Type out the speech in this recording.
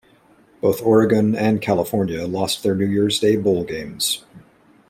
Both Oregon and California lost their New Year's Day bowl games.